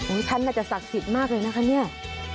ท่านน่าจะศักดิ์สิทธิ์มากเลยนะคะเนี่ย